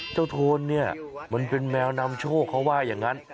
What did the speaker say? โทนเนี่ยมันเป็นแมวนำโชคเขาว่าอย่างนั้น